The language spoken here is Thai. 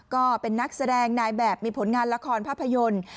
ก็เป็นนักแสดงนายแบบมีผลงานละครภาพยนตร์